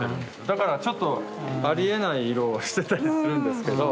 だからちょっとありえない色をしてたりするんですけど。